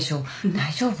大丈夫？